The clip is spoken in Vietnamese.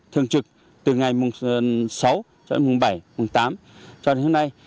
thường trực từ ngày sáu bảy tám cho đến hôm nay